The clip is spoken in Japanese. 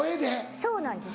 そうなんです。